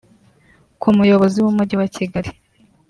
Ku muyobozi w’Umujyi wa Kigali